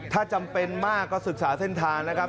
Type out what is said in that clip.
ถ้าจำเป็นมากก็ศึกษาเส้นทางนะครับ